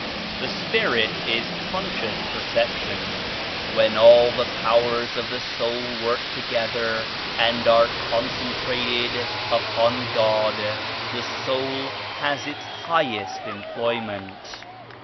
The Spirit is Conscious Perception. When all the powers of the soul work together and are con centrated upon God, the soul has its highest employment.